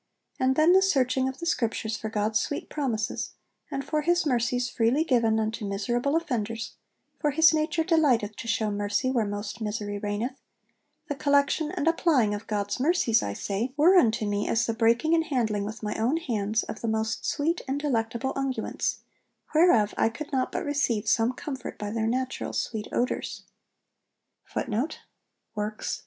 And then the searching of the Scriptures for God's sweet promises, and for his mercies freely given unto miserable offenders (for his nature delighteth to shew mercy where most misery reigneth) the collection and applying of God's mercies, I say, were unto me as the breaking and handling with my own hands of the most sweet and delectable unguents, whereof I could not but receive some comfort by their natural sweet odours.'